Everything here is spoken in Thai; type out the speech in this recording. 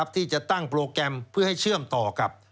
ที่จะตั้งโปรแกรมเพื่อให้เชื่อมต่อกับ